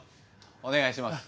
お願いします。